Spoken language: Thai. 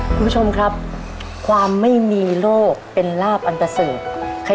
คุณผู้ชมครับความไม่มีโรคเป็นลาบอันตเสิร์ฟ